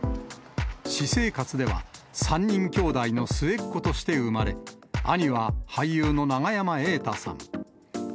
私生活では、３人兄弟の末っ子として生まれ、兄は俳優の永山瑛太さん。